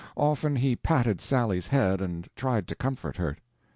Often he patted Sally's head and tried to comfort her.